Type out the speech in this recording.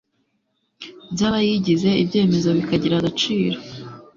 by abayigize ibyemezo bikagira agaciro